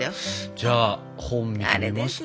じゃあ本見てみますか。